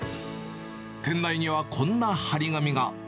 店内にはこんな貼り紙が。